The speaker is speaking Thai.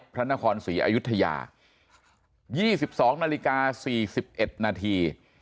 พระนครศรีอายุทธยายี่สิบสองนาฬิกาสี่สิบเอ็ดนาที